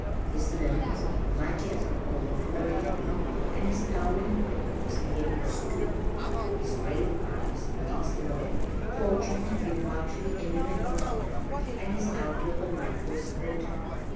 His limbs, mighty as of old, were heavy, and his towering frame was beginning to stoop. His brave heart was beating slow. Fortune had been harshly inimical to him and his outlook on life was bitter.